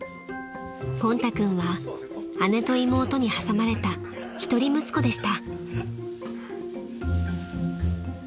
［ポンタ君は姉と妹に挟まれた一人息子でした］